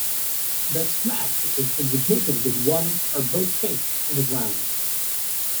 The smash is executed with one or both feet on the ground.